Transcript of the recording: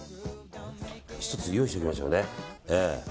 １つ、用意しておきましょうね。